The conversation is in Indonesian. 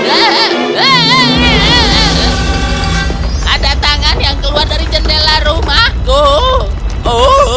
ada tangan yang keluar dari jendela rumahku